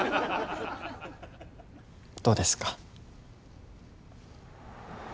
どうですか？